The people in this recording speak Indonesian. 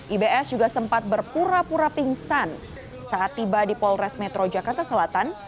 ibs juga sempat berpura pura pingsan saat tiba di polres metro jakarta selatan